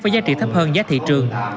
với giá trị thấp hơn giá thị trường